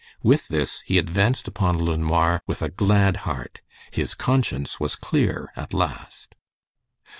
With this he advanced upon LeNoir with a glad heart. His conscience was clear at last.